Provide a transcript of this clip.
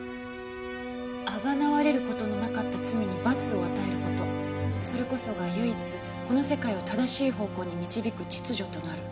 「贖われることのなかった罪に“罰”を与えることそれこそが唯一この世界を正しい方向に導く秩序となる」